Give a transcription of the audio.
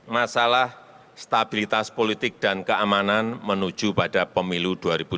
masalah stabilitas politik dan keamanan menuju pada pemilu dua ribu dua puluh